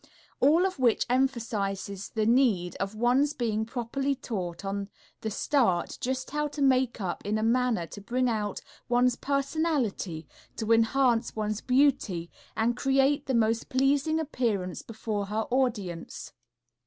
All of which emphasizes the need of one's being properly taught on the start just how to makeup in a manner to bring out one's personality, to enhance one's beauty, and create the most pleasing appearance before her audience.